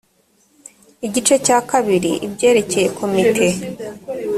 igice cya kabiri ibyerekeye komite